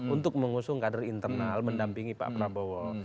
untuk mengusung kader internal mendampingi pak prabowo